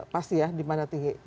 pasti ya dimana tinggi